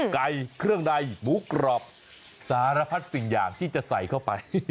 ไก่เครื่องใดหมูกรอบสารพัดสิ่งอย่างที่จะใส่เข้าไป